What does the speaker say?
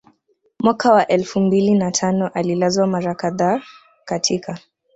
Mwaka wa elfu mbili na tano alilazwa mara kadhaa katika